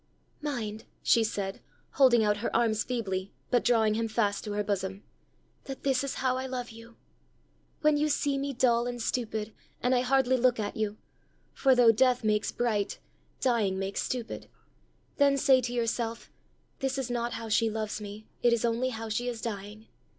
"Mind," she said, holding out her arms feebly, but drawing him fast to her bosom, "that this is how I love you! When you see me dull and stupid, and I hardly look at you for though death makes bright, dying makes stupid then say to yourself, 'This is not how she loves me; it is only how she is dying!